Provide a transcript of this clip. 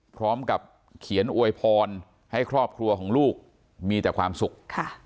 พร้อมกับเขียนอวยพรให้ครอบครัวของลูกมีแต่ความสุขค่ะ